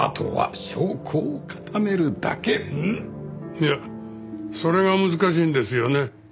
いやそれが難しいんですよね。